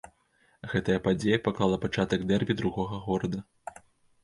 Гэтая падзея паклала пачатак дэрбі другога горада.